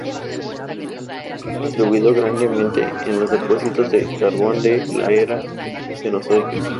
Ha contribuido grandemente en los depósitos de carbón de la Era Cenozoica.